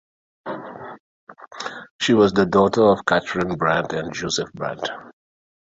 She was the daughter of Catharine Brant and Joseph Brant.